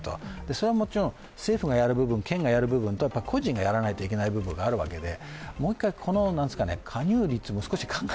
それはもちろん政府がやる部分、県がやる部分、あとは個人がやらないといけない部分があるわけで。